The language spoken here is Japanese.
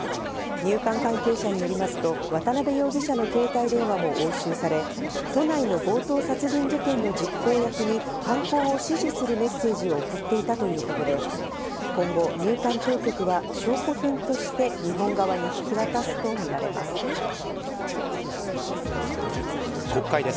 入管関係者によりますと、渡辺容疑者の携帯電話も押収され、都内の強盗殺人事件の実行役に犯行を指示するメッセージを送っていたということで、今後、入管当局は証拠品として日本側に引き渡すとみられます。